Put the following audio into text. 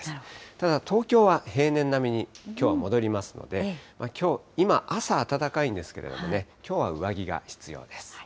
ただ東京は平年並みにきょうは戻りますので、きょう、今、朝、暖かいんですけどもね、きょうは上着が必要です。